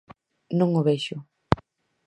Non o vexo.